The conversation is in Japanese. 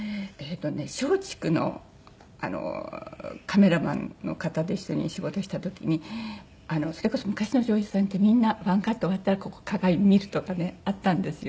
松竹のカメラマンの方と一緒に仕事した時にそれこそ昔の女優さんってみんなワンカット終わったら鏡見るとかねあったんですよ。